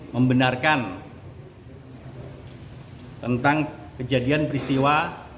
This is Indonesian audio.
membenarkan tentang kejadian peristiwa